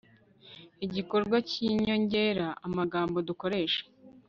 igikorwa cyi nyongera amagambo dukoresha